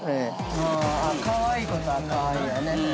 かわいいことは、かわいいわね。